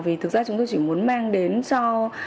vì thực ra chúng tôi chỉ muốn mang đến cho